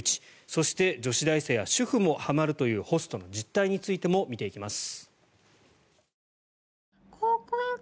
そして、女子大生や主婦もはまるというホストの実態についても見ていきます。